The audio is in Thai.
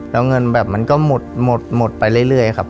แล้วเงินแบบมันก็หมดไปเรื่อยครับ